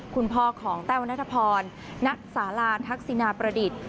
คุณพ่อของแต้วนัทพรณสาราทักษินาประดิษฐ์